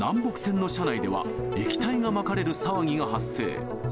南北線の車内では、液体がまかれる騒ぎが発生。